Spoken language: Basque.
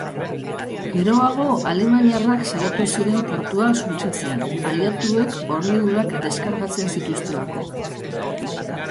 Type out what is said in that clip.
Geroago, alemaniarrak saiatu ziren portua suntsitzen, aliatuek hornidurak deskargatzen zituztelako.